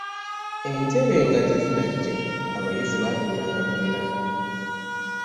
Entebe nga tezinnajja abayizi baatuulanga ku birago.